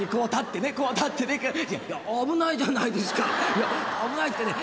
「いや危ないってね